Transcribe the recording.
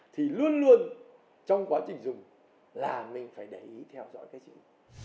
thì luôn luôn trong quá trình dùng là mình phải để ý theo dõi các chuyện